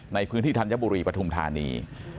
ในพื้นที่ธัญบุรีปฐุมธานี